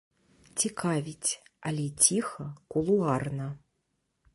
Цікавіць, але ціха, кулуарна.